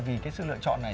vì cái sự lựa chọn này